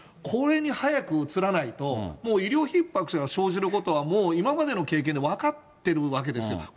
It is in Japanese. これに早く移らないと、もう医療ひっ迫が生じることは、もう今までの経験で分かってるわけですよ。